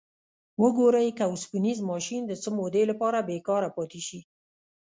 وګورئ که اوسپنیز ماشین د څه مودې لپاره بیکاره پاتې شي.